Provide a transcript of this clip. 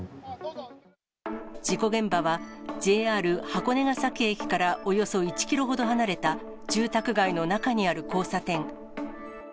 事故現場はＪＲ箱根ヶ崎駅からおよそ１キロほど離れた住宅街の中にある交差点。